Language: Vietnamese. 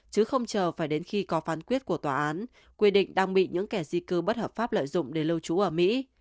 chứ không chờ phải đến khi có phán quyết của tòa án quy định đang bị những kẻ di cư bất hợp pháp lợi dụng để lưu trú ở mỹ